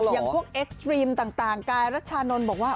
อย่างพวกเอ็กซ์ตรีมต่างกายรัชชานนท์บอกว่า